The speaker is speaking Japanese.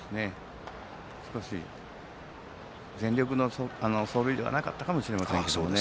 全力の走塁ではなかったかもしれませんけども。